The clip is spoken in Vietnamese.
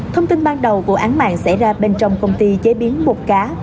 thông tin ban đầu vụ án mạng xảy ra bên trong công ty chế biến bột cá